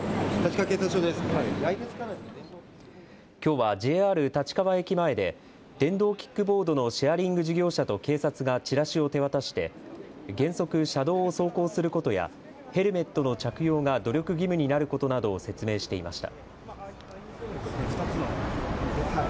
きょうはＪＲ立川駅前で電動キックボードのシェアリング事業者と警察がチラシを手渡して原則、車道を走行することやヘルメットの着用が努力義務になることなどを説明していました。